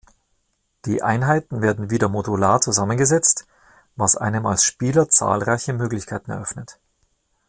Die Einheiten werden wieder modular zusammengesetzt, was einem als Spieler zahlreiche Möglichkeiten eröffnet.